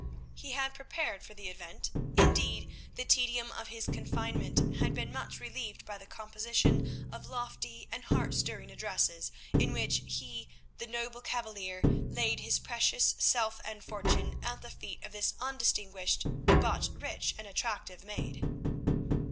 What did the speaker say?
He had prepared for the event; indeed the tedium of his confinement had been much relieved by the composition of lofty and heart stirring addresses, in which he, the noble cavalier, laid his precious self and fortune at the feet of this undistinguished, but rich and attractive maid.